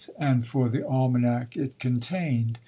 and for the almanac it contained.